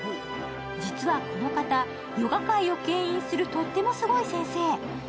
実はこの方、ヨガ界をけん引するとってもすごい先生。